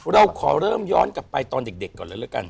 เราขอเริ่มย้อนกลับไปตอนเด็กก่อนเลยละกัน